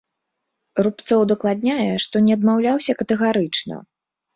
Рубцоў удакладняе, што не адмаўляўся катэгарычна.